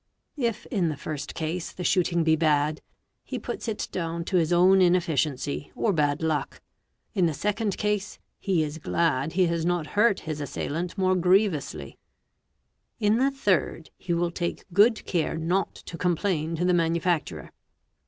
_ If, in the first case, the shooting be bad, he puts in down to his own inefficiency or bad luck; in the second case, he is glad he has not hurt his assailant more grievously ; 'in the third, he will take good care not to complain to the manufacturer.